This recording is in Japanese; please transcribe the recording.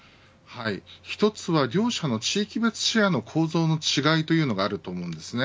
１つは両社の地域別シェアの構造の違いというのがあると思うんですね。